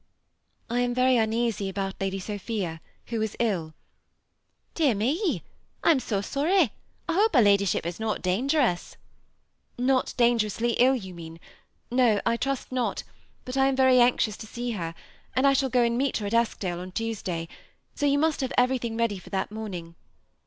I am very uneasy about Lady Sophia, who is ill. " Dear me ! I am so sony : I hope her ladyship is not dangerous ?Not dangerously iU, you mean. No, I trust not, but I am very anxious to see her, and I shall go and meet her at Eskdale on Tuesday, so you must have everything ready for that morning.